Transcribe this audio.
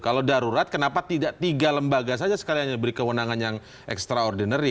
kalau darurat kenapa tidak tiga lembaga saja sekali hanya beri kewenangan yang extraordinary